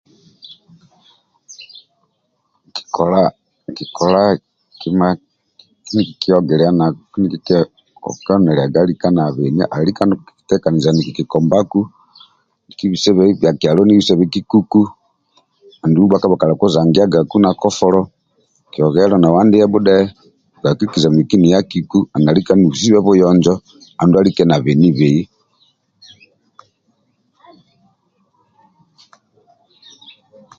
Nkikola kima kindie kikiogilia na kindie kamiliaga ali lika na benibi ali lika nikitekaniza nikikombaku kibisebe kyoloni kibisebe kikuku andulu bhakpa bhakalakizangiagaku na kofolo kyoghelo nau andiabhu dhee ndia kakuikiliza miki niakiku andulu alike na benibei